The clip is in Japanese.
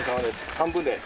半分です。